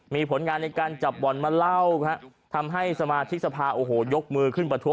มีผลงานในการจับบ่อนมาเล่าทำให้สมาชิกสภาโอ้โหยกมือขึ้นประท้วง